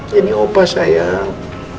jadi opah sayang